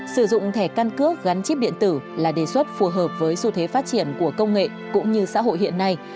sử dụng thẻ căn cước gắn chip điện tử là đề xuất phù hợp với xu thế phát triển của công nghệ cũng như xã hội hiện nay